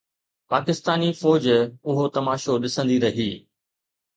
پاڪستاني فوج اهو تماشو ڏسندي رهي.